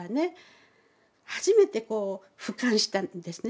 初めてこう俯瞰したんですね